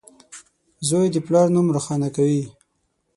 • زوی د پلار نوم روښانه کوي.